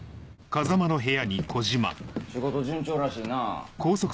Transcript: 仕事順調らしいなぁ。